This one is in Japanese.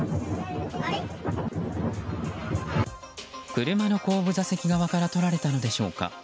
車の後部座席側から撮られたのでしょうか。